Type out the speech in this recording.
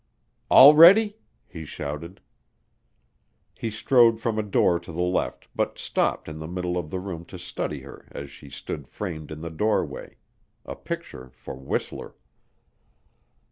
"All ready?" he shouted. He strode from a door to the left, but stopped in the middle of the room to study her as she stood framed in the doorway a picture for Whistler.